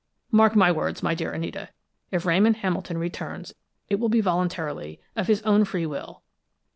Mark my words, my dear Anita; if Ramon Hamilton returns, it will be voluntarily, of his own free will.